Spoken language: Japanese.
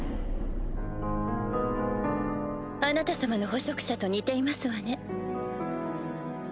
あなた様の「捕食者」と似ていますわね。